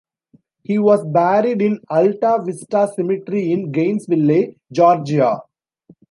He was buried in Alta Vista Cemetery in Gainesville, Georgia.